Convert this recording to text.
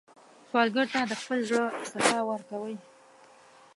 سوالګر ته د خپل زړه سخا ورکوئ